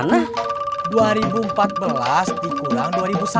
nah dua ribu empat belas dikurang dua ribu satu